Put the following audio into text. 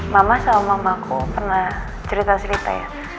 mama sama mamaku pernah cerita cerita ya